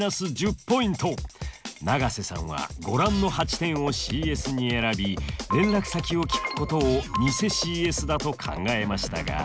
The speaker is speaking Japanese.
永瀬さんはご覧の８点をＣＳに選び連絡先を聞くことを偽ＣＳだと考えましたが。